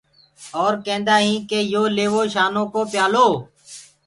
اور ڪيندآ هينٚ ڪي يو ليوو شانو ڪو پيآلو۔